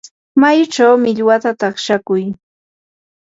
mayuchaw millwata takshakuy.